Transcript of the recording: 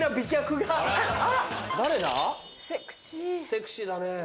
セクシーだね。